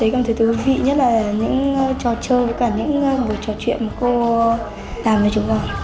con thấy thú vị nhất là những trò chơi và cả những buổi trò chuyện mà cô làm với chúng con